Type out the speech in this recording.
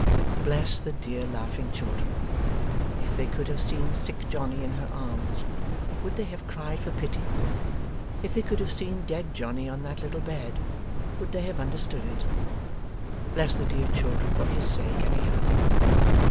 Bless the dear laughing children! If they could have seen sick Johnny in her arms, would they have cried for pity? If they could have seen dead Johnny on that little bed, would they have understood it? Bless the dear children for his sake, anyhow!